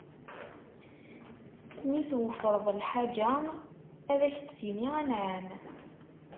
Mi tweffreḍ lḥaǧa, ad ak-d-tini anɛam.